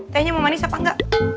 tehnya mau manis apa engga